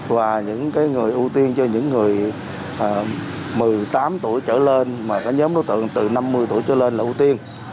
và những người ưu tiên cho những người một mươi tám tuổi trở lên mà cái nhóm đối tượng từ năm mươi tuổi trở lên là ưu tiên